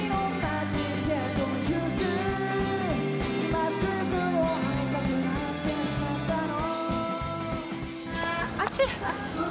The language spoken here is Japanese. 「今すぐ行くよ会いたくなってしまったの」